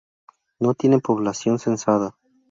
No tiene población censada.